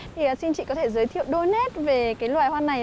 thì xin chị có thể giới thiệu đôi nét về cái loài hoa này